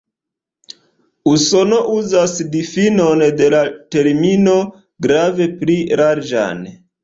Usono uzas difinon de la termino grave pli larĝan.